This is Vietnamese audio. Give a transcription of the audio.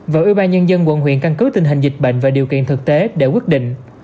và ubnd quận huyện căn cứ tình hình dịch bệnh và điều kiện thực tế để quyết định